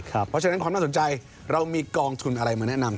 เพราะฉะนั้นความน่าสนใจเรามีกองทุนอะไรมาแนะนำ